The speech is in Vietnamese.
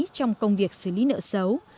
trong công việc xử lý nợ xấu